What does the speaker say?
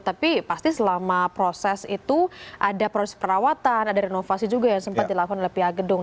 tapi pasti selama proses itu ada proses perawatan ada renovasi juga yang sempat dilakukan oleh pihak gedung